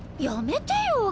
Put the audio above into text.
やめてよ！